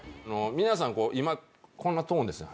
皆さんこう今こんなトーンですね。